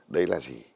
đấy là gì